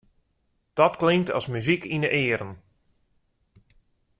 Dat klinkt as muzyk yn 'e earen.